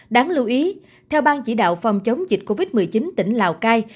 đáng lưu ý theo ban chỉ đạo phòng chống dịch covid một mươi chín tỉnh lào cai